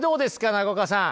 中岡さん。